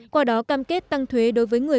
qua đó cam kết tăng thuế đối với người